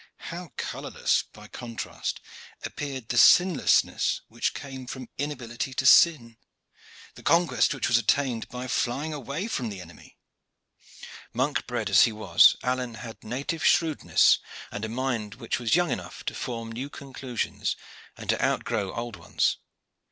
How colorless by contrast appeared the sinlessness which came from inability to sin, the conquest which was attained by flying from the enemy! Monk bred as he was, Alleyne had native shrewdness and a mind which was young enough to form new conclusions and to outgrow old ones.